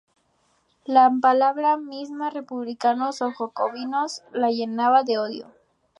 La palabra misma "Republicanos" o "Jacobinos" la llenaba de odio.